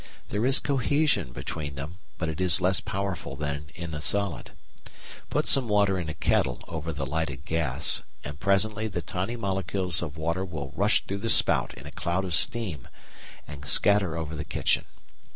There is "cohesion" between them, but it is less powerful than in a solid. Put some water in a kettle over the lighted gas, and presently the tiny molecules of water will rush through the spout in a cloud of steam and scatter over the kitchen.